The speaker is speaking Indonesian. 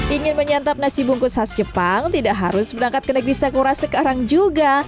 ingin menyantap nasi bungkus khas jepang tidak harus berangkat ke negeri sakura sekarang juga